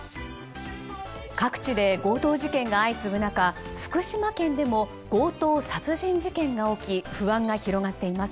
各地で強盗事件が相次ぐ中福島県でも強盗殺人事件が起き不安が広がっています。